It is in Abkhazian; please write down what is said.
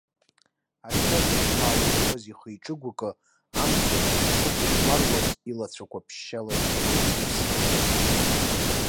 Ашьа зылԥхаауа иҟаз ихы-иҿы гәыкы амцабз шықәхәмаруаз, илацәақәа ԥшьшьала инеиқәиԥсеит.